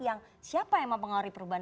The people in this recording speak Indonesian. yang siapa yang mau mengalami perubahan